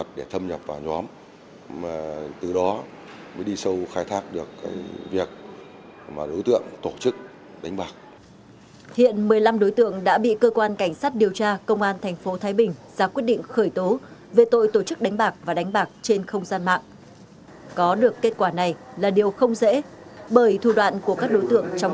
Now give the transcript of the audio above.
các trinh sát đang tiến hành điều tra một đường dây tổ chức đánh bạc và đánh bạc với quy mô lớn trên không gian mạng